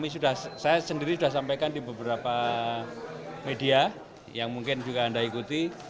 saya sendiri sudah sampaikan di beberapa media yang mungkin juga anda ikuti